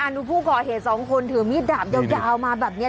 ดูผู้ก่อเหตุสองคนถือมีดดาบยาวมาแบบนี้